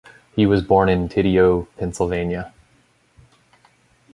He was born in Tidioute, Pennsylvania.